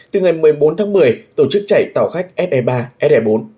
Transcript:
từ ngày một mươi bốn tháng một mươi tổ chức chạy tàu khách se ba se bốn